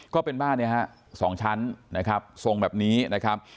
ก็เป็นบ้านสองชั้นนะครับทรงแบบนี้นะครับ